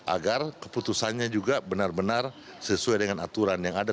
agar keputusannya juga benar benar sesuai dengan aturan yang ada